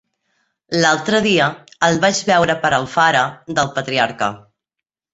L'altre dia el vaig veure per Alfara del Patriarca.